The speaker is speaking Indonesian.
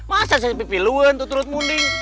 masa saya pilih lu untuk turut munding